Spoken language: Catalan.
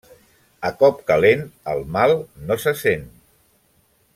A cop calent el mal no se sent.